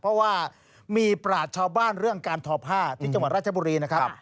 เพราะว่ามีปราชชาวบ้านเรื่องการทอผ้าที่จังหวัดราชบุรีนะครับ